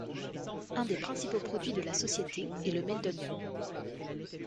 Un des principaux produits de la société est le Meldonium.